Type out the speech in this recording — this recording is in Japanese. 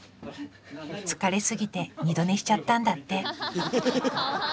疲れすぎて二度寝しちゃったんだって。